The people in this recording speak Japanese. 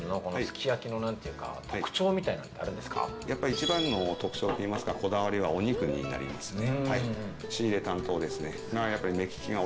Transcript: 一番の特徴といいますかこだわりはお肉になりますね。